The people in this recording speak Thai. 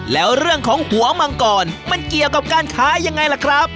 แล้วเรื่องของหัวมังกรมันเกี่ยวกับการค้ายังไงล่ะครับ